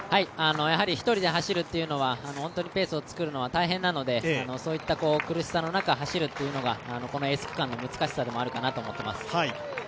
一人で走るっていうのは本当にペースを作るのが大変なのでそういった苦しさの中、走るというのが、このエース区間の難しさでもあるかなと思っています。